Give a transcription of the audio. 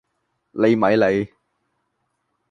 你咪理